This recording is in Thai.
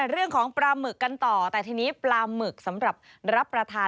เรื่องของปลาหมึกกันต่อแต่ทีนี้ปลาหมึกสำหรับรับประทาน